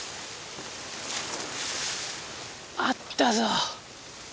あったぞ！